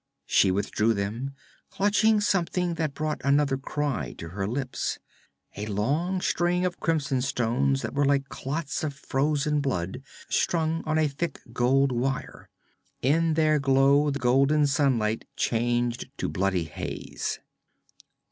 She withdrew them, clutching something that brought another cry to her lips a long string of crimson stones that were like clots of frozen blood strung on a thick gold wire. In their glow the golden sunlight changed to bloody haze.